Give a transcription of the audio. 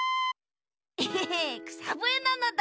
えへへくさぶえなのだ！